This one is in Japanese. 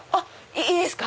いいですか？